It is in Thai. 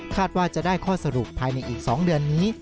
ว่าจะได้ข้อสรุปภายในอีก๒เดือนนี้